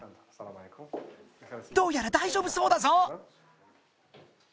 ［どうやら大丈夫そうだぞ］